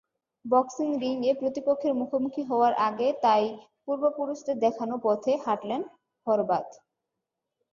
Boxing রিংয়ে প্রতিপক্ষের মুখোমুখি হওয়ার আগে তাই পূর্বপুরুষদের দেখানো পথে হাঁটলেন হরবাথ।